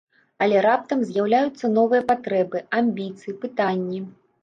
Але раптам з'яўляюцца новыя патрэбы, амбіцыі, пытанні.